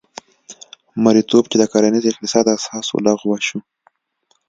مریتوب چې د کرنیز اقتصاد اساس و لغوه شو.